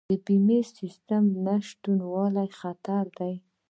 د بیمې سیستم نشتون خطر دی.